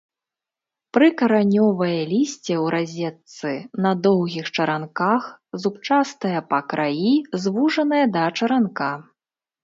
Прыкаранёвае лісце ў разетцы, на доўгіх чаранках, зубчастае па краі, звужанае да чаранка.